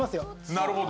なるほど。